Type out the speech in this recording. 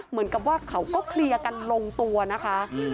เหมือนกับว่าเขาก็เคลียร์กันลงตัวนะคะ